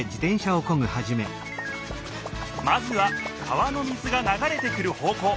まずは川の水がながれてくる方こう。